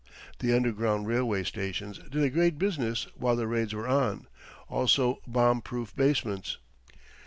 The underground railway stations did a great business while the raids were on; also bomb proof basements.